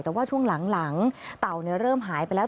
แต่ว่าช่วงหลังเต่าเริ่มหายไปแล้ว